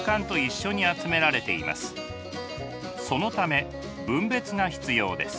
そのため分別が必要です。